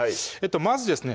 まずですね